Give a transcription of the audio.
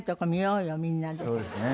そうですね。